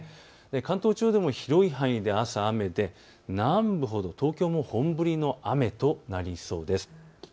関東地方でも広い範囲で朝、雨で南部ほど東京も本降りの雨となりそうです。